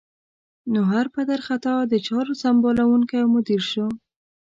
نو هر پدر خطا د چارو سمبالوونکی او مدیر شو.